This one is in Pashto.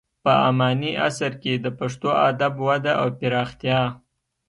په اماني عصر کې د پښتو ادب وده او پراختیا: